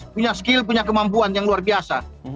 punya skill punya kemampuan yang luar biasa